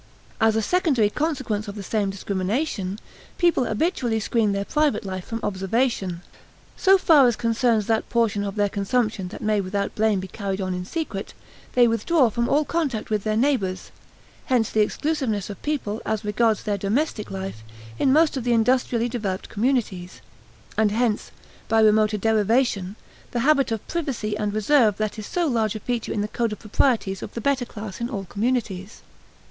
As a secondary consequence of the same discrimination, people habitually screen their private life from observation. So far as concerns that portion of their consumption that may without blame be carried on in secret, they withdraw from all contact with their neighbors, hence the exclusiveness of people, as regards their domestic life, in most of the industrially developed communities; and hence, by remoter derivation, the habit of privacy and reserve that is so large a feature in the code of proprieties of the better class in all communities.